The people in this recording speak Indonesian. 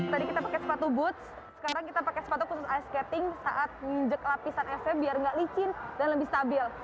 tadi kita pakai sepatu boots sekarang kita pakai sepatu khusus ice skating saat ngjek lapisan esnya biar nggak licin dan lebih stabil